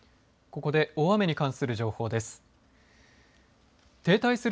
ここで大雨に関する情報です。